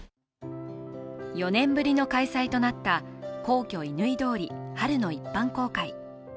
４年ぶりの開催となった皇居・乾通り春の一般公開。